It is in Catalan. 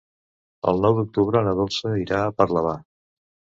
El nou d'octubre na Dolça irà a Parlavà.